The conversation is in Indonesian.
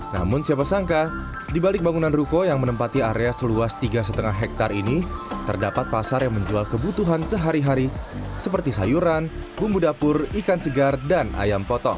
namun siapa sangka di balik bangunan ruko yang menempati area seluas tiga lima hektare ini terdapat pasar yang menjual kebutuhan sehari hari seperti sayuran bumbu dapur ikan segar dan ayam potong